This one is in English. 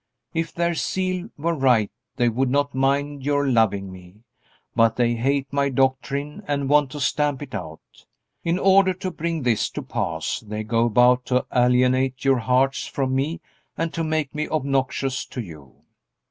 If their zeal were right they would not mind your loving me. But they hate my doctrine and want to stamp it out. In order to bring this to pass they go about to alienate your hearts from me and to make me obnoxious to you."